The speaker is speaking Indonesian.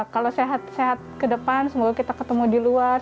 kalau sehat sehat ke depan semoga kita ketemu di luar